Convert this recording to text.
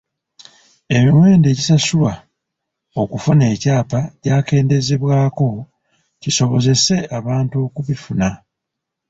Emiwendo egisasulwa okufuna ekyapa gyakendeezebwako kisobozese abantu okubifuna.